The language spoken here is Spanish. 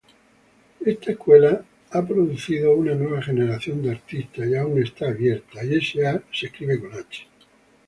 Esta escuela a producido una nueva generación de artistas y aún está abierta.